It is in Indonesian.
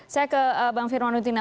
saya ke bang firman dan tina